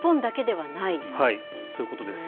はい、そういうことです。